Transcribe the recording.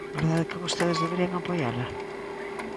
¿Verdade que vostedes deberían apoiala?